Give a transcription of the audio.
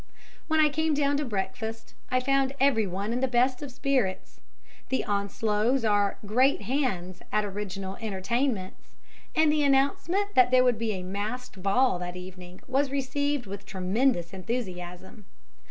When I came down to breakfast I found everyone in the best of spirits. The Onslows are "great hands" at original entertainments, and the announcement that there would be a masked ball that evening was received with tremendous enthusiasm.